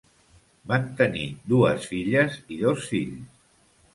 Van tenir dues filles i dos fills.